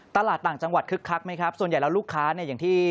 ตลาดต่างจังหวัดคึกคักไหมครับส่วนใหญ่แล้วลูกค้าเนี่ยอย่างที่